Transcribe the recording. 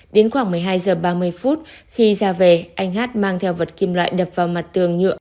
đến khoảng một mươi hai h ba mươi phút khi ra về anh hát mang theo vật kim loại đập vào mặt tường nhựa